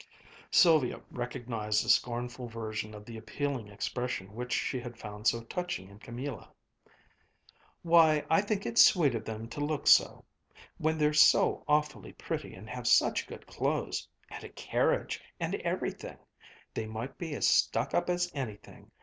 Sylvia recognized a scornful version of the appealing expression which she had found so touching in Camilla. "Why, I think it's sweet of them to look so! When they're so awfully pretty, and have such good clothes and a carriage and everything! They might be as stuck up as anything!